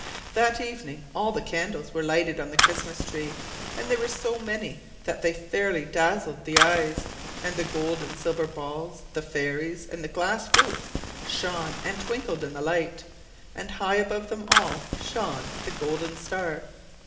That evening all the candles were lighted on the Christmas tree, and there were so many that they fairly dazzled the eyes; and the gold and silver balls, the fairies and the glass fruits, shone and twinkled in the light; and high above them all shone the golden star.